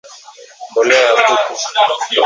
mbolea ya kuku